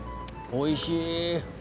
おいしい。